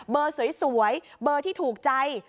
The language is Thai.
เบอร์สวยเบอร์ที่ถูกใจ